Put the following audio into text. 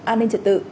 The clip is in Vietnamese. an ninh trật tự